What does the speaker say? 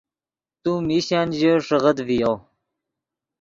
تو میشن ژے ݰیکڑغیت ڤیو